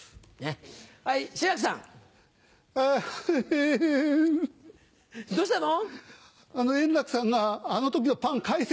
えっどうしたの？